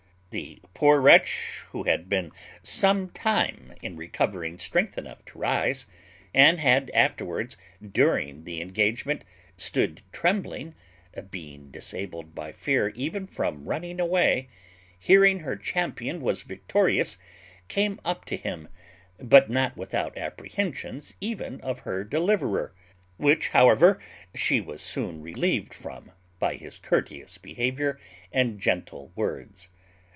The poor wretch, who had been some time in recovering strength enough to rise, and had afterwards, during the engagement, stood trembling, being disabled by fear even from running away, hearing her champion was victorious, came up to him, but not without apprehensions even of her deliverer; which, however, she was soon relieved from by his courteous behaviour and gentle words.